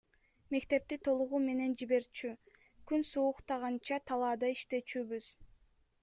Мектепти толугу менен жиберчү, күн сууктаганча талаада иштечүбүз.